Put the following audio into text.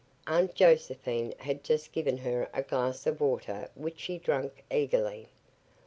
Aunt Josephine had just given her a glass of water which she drank eagerly.